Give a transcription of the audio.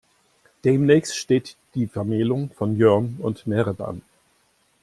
Demnächst steht die Vermählung von Jörn und Merit an.